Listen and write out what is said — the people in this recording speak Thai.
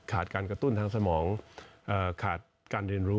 การกระตุ้นทางสมองขาดการเรียนรู้